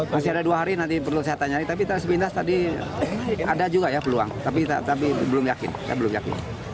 masih ada dua hari nanti perlu saya tanya tapi tersebut ada juga ya peluang tapi belum yakin